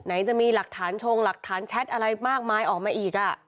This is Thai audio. จะมีหลักฐานชงหลักฐานแชทอะไรมากมายออกมาอีก